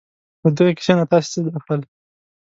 له دغې کیسې نه تاسې څه زده کړل؟